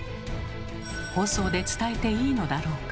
放送で伝えていいのだろうか。